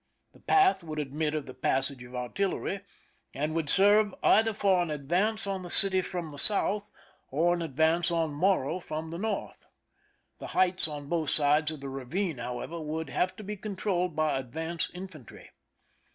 The path would admit of the passage of artillery, and would serve either for an advance on the city from the south or an advance on Morro from the north. The heights on both sides of the ravine, however, would have to be controlled by advance infantry.